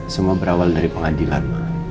semua berawal dari pengadilan